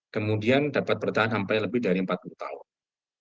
kemudian dapat bertahan sampai lebih dari empat puluh tahun